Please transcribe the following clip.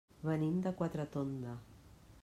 Venim de Quatretonda.